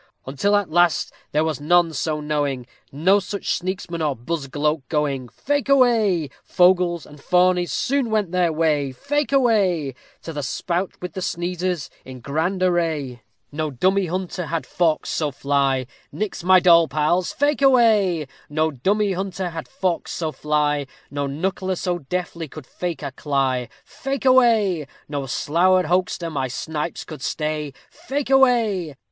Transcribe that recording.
_ Until at last there was none so knowing, No such sneaksman or buzgloak going. Fake away. Fogles and fawnies soon went their way, Fake away, To the spout with the sneezers in grand array. No dummy hunter had forks so fly; Nix my doll pals, fake away. No dummy hunter had forks so fly, No knuckler so deftly could fake a cly, Fake away. No slour'd hoxter my snipes could stay, _Fake away.